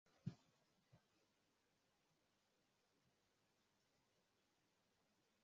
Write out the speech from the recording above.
kwa serikali ni kuhakikisha kwamba wadau wengi